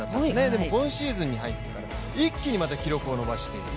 でも今シーズンに入ってから一気にまた記録を伸ばしている。